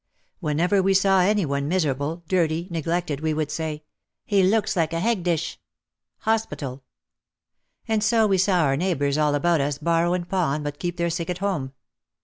Whenever we saw any one miserable, dirty, neglected, we would say, "He looks like a 'heg dish' " (hospital). And so we saw our neighbours all about us borrow and pawn but keep their sick at home.